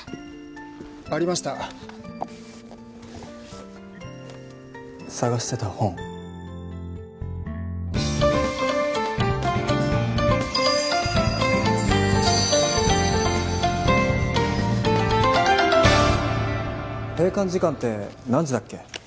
ありました探してた本閉館時間って何時だっけ？